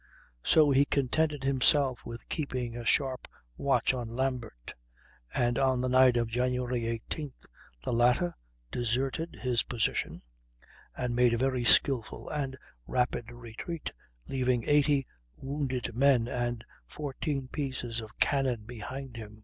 So he contented himself with keeping a sharp watch on Lambert; and on the night of January 18th the latter deserted his position, and made a very skilful and rapid retreat, leaving eighty wounded men and fourteen pieces of cannon behind him.